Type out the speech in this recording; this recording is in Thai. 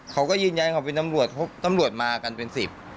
เขาก็ยืนยันเขาเป็นตำรวจตำรวจมากันเป็นสิบ